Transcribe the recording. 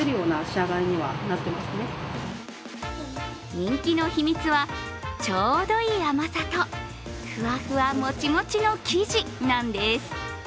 人気の秘密は、ちょうどいい甘さと、ふわふわ・もちもちの生地なんです